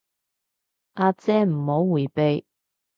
阿姐唔好迴避